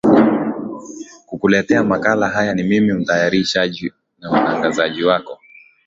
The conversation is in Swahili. kukuletea makala haya ni mimi mtayarishaji na mtangazaji wako